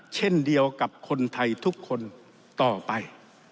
เช่นเดียวกับคนไทยทุกคนต่อไป